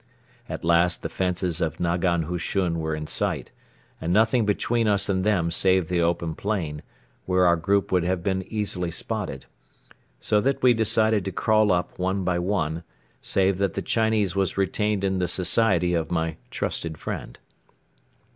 At last the fences of nagan hushun were in sight and nothing between us and them save the open plain, where our group would have been easily spotted; so that we decided to crawl up one by one, save that the Chinese was retained in the society of my trusted friend.